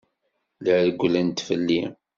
La rewwlent fell-i.